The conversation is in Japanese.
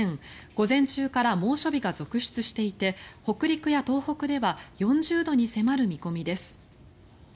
午前中から猛暑日が続出していて北陸や東北では４０度に迫る見込みです。